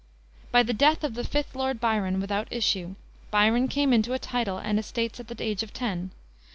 By the death of the fifth Lord Byron without issue, Byron came into a title and estates at the age of ten.